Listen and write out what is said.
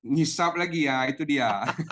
nyesab lebih yaitu dia